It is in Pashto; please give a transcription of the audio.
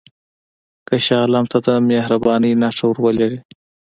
که شاه عالم ته د مهربانۍ نښه ورولېږې.